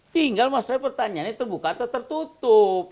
tinggal masalah pertanyaannya terbuka atau tertutup